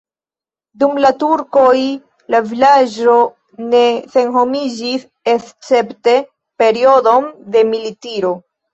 Dum la turkoj la vilaĝo ne senhomiĝis, escepte periodon de militiro.